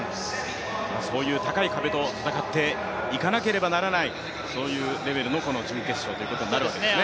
そういう高い壁と戦っていかなければならないそういうレベルのこの準決勝ということになりますね。